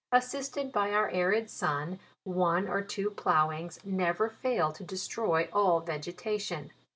Assisted by our arid sun, one or two ploughings never fail to destroy all vegetation.